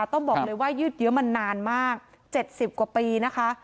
ต้องบอกเลยว่ายืดเยอะมานานมาก๗๐กว่าปีนะคะ